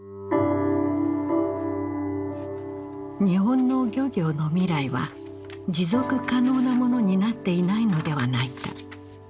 日本の漁業の未来は持続可能なものになっていないのではないか。